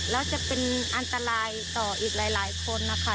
แล้วจะเป็นอันตรายต่ออีกหลายคนนะคะ